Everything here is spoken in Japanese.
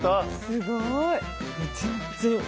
すごい！